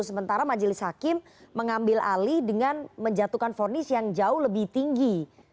sementara majelis hakim mengambil alih dengan menjatuhkan fornis yang jauh lebih tinggi